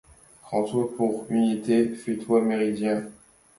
Prends-toi pour unité ; fais-toi méridien ;